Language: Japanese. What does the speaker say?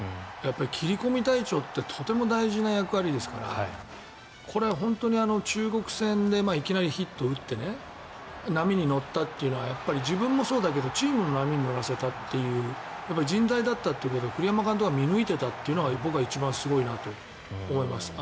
切り込み隊長ってとても大事な役割ですからこれは本当に、中国戦でいきなりヒットを打って波に乗ったというのは自分もそうだけどチームを波に乗らせたという栗山監督は見抜いていたというのが僕は一番すごいなと思います。